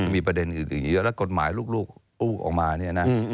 มีประเด็นอื่นเยอะแล้วกฎหมายลูกอู้ออกมาเนี่ยนะ